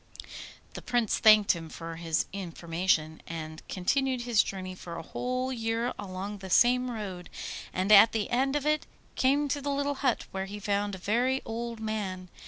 The Prince thanked him for his information, and continued his journey for a whole year along the same road, and at the end of it came to the little hut, where he found a very old man.